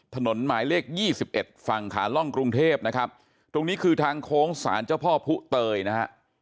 ถนนหมายเลขยี่สิบเอ็ดฝั่งขาล่องกรุงเทพนะครับตรงนี้คือทางโค้งสารเจ้าพ่อผู้เตยนะฮะ